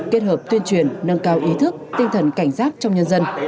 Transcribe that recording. kết hợp tuyên truyền nâng cao ý thức tinh thần cảnh giác trong nhân dân